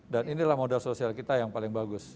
dan inilah modal sosial kita yang paling bagus